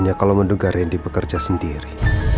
hanya kalau menduga randy bekerja sendiri